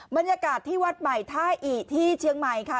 บรรยากาศที่วัดใหม่ท่าอิที่เชียงใหม่ค่ะ